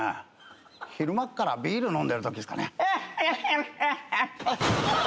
昼間っからビール飲んでるときっすかね。